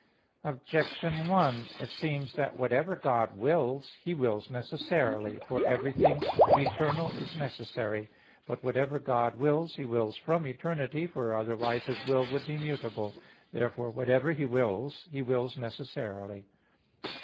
Objection 1: It seems that whatever God wills He wills necessarily. For everything eternal is necessary. But whatever God wills, He wills from eternity, for otherwise His will would be mutable. Therefore whatever He wills, He wills necessarily.